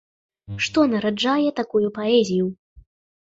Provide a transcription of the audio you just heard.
Што нараджае такую паэзію?